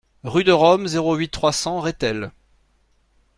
Rue de Rome, zéro huit, trois cents Rethel